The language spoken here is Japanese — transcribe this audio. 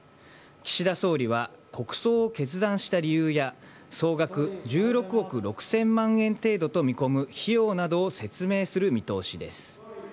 岸田総理は国葬を決断した理由や総額１６億６０００万円程度と見込む費用などを説明する見通しです。